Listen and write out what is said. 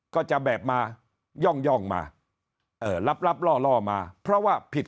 ก็จะแบบมาย่องมารับล่อมาเพราะว่าผิด